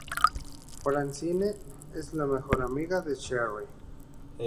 Francine: Es la mejor amiga de Cheryl.